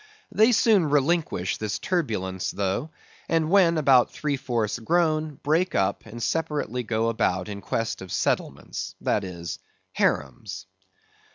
They soon relinquish this turbulence though, and when about three fourths grown, break up, and separately go about in quest of settlements, that is, harems.